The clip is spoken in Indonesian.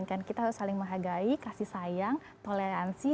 kan kita harus saling menghargai kasih sayang toleransi